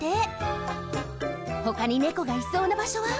ほかに猫がいそうな場所は？